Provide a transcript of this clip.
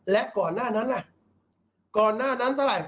และก่อนหน้านั้นล่ะก่อนหน้านั้นเท่าไหร่